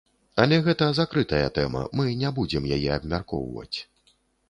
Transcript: Але гэта закрытая тэма, мы не будзем яе абмяркоўваць.